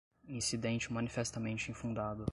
incidente manifestamente infundado